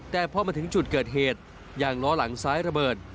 แต่พอมาถึงจุดเกิดเหตุยางล้อหลังซ้ายระเบิด